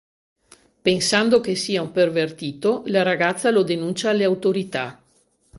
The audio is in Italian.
Pensando che sia un pervertito, la ragazza lo denuncia alle autorità.